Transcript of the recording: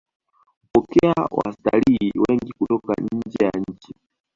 hupokea watalii wengi kutoka njee ya nchi